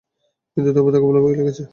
কিন্তু তবুও তাকে ভালো লেগেছে।